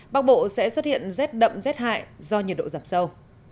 bắc bộ sẽ xuất hiện rét đậm rét hại do nhiệt độ giảm sâu